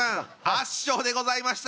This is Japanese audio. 圧勝でございました。